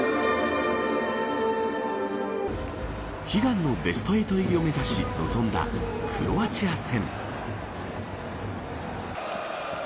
悲願のベスト８入りを目指し臨んだクロアチア戦。